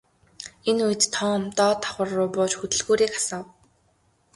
Энэ үед Том доод давхарруу бууж хөдөлгүүрийг асаав.